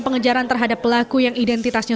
pengejaran terhadap pelaku yang identitasnya